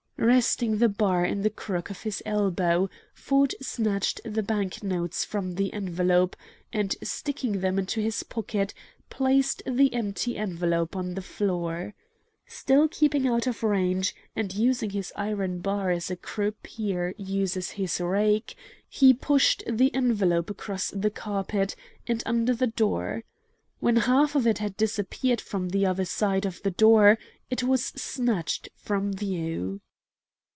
Resting the bar in the crook of his elbow, Ford snatched the bank notes from the envelope, and, sticking them in his pocket, placed the empty envelope on the floor. Still keeping out of range, and using his iron bar as a croupier uses his rake, he pushed the envelope across the carpet and under the door. When half of it had disappeared from the other side of the door, it was snatched from view.